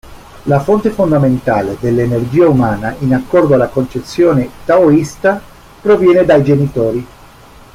La fonte fondamentale dell'energia umana, in accordo alla concezione taoista, proviene dai genitori.